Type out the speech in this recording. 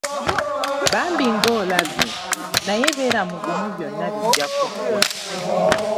Bambi ng’olabye! Naye beera mugumu byonna bijja kuggwa.